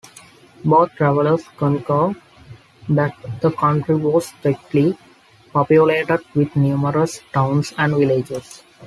Both travelers concur that the country was thickly populated with numerous towns and villages.